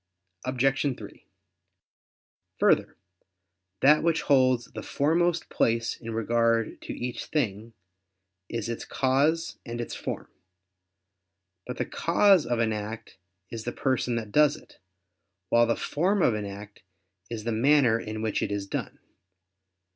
Obj. 3: Further, that which holds the foremost place in regard to each thing, is its cause and its form. But the cause of an act is the person that does it; while the form of an act is the manner in which it is done.